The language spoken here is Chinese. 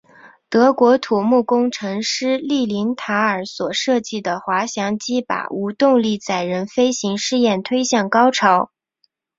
德国土木工程师利林塔尔所设计的滑翔机把无动力载人飞行试验推向高潮。